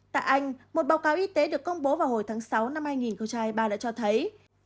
tại anh một báo cáo y tế được công bố vào hồi tháng sáu năm hai nghìn hai mươi ba đã cho thấy